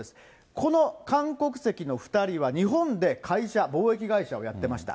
この韓国籍の２人は、日本で会社、貿易会社をやってました。